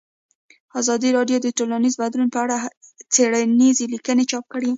ازادي راډیو د ټولنیز بدلون په اړه څېړنیزې لیکنې چاپ کړي.